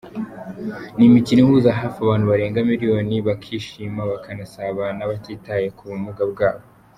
Ni imikino ihuza hafi abantu barenga miliyoni, bakishima bakanasabana batitaye ku bumuga bwabo.